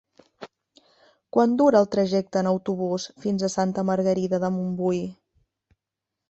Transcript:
Quant dura el trajecte en autobús fins a Santa Margarida de Montbui?